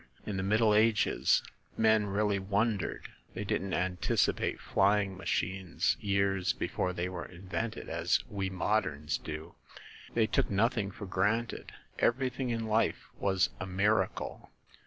In the Middle Ages men really wondered ; they didn't anticipate flying machines years before they were invented, as we moderns do. They took nothing for granted. Everything in life was a miracle."